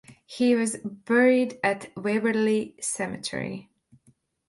He was buried at Waverley Cemetery.